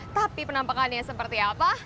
tapi penampakannya seperti apa